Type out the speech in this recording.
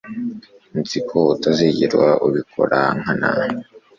Nzi ko utazigera ubikora nkana